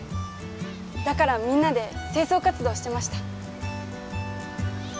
だからみんなで清掃活動してました。